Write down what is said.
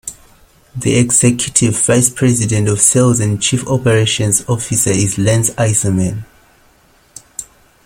The Executive Vice President of Sales and Chief Operations Officer is Lance Iserman.